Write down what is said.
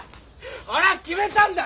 俺は決めたんだ！